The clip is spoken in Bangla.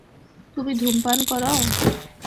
তুমি ধূমপান করো?